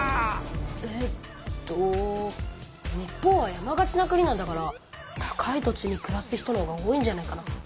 えっと日本は山がちな国なんだから高い土地にくらす人のほうが多いんじゃないかな。